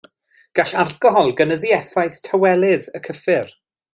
Gall alcohol gynyddu effaith tawelydd y cyffur.